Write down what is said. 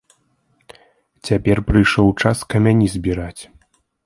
Цяпер прыйшоў час камяні збіраць.